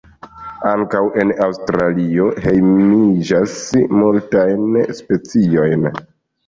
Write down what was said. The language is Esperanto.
Ankaŭ en Aŭstralio hejmiĝas multajn speciojn.